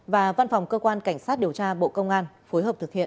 và văn phòng cơ quan cảnh sát điều tra bộ công an phối hợp thực hiện